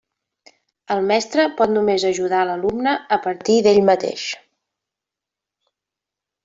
El mestre pot només ajudar l'alumne a partir d'ell mateix.